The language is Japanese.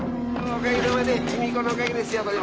おかげさまで卑弥呼のおかげですよ。